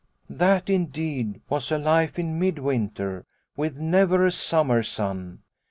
" That indeed was a life in mid winter with never a summer sun.